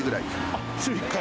あっ、週１回？